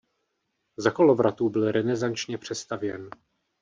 Za Kolovratů byl renesančně přestavěn.